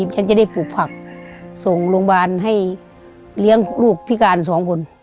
ฉันจะได้ปลูกผักส่งโรงพยาบาลให้เลี้ยงลูกพิการสองคน